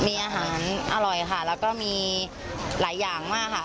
มีอาหารอร่อยค่ะแล้วก็มีหลายอย่างมากค่ะ